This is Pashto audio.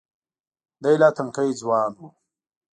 دی لا تنکی ځوان و.